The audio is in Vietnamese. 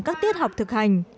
các tiết học thực hành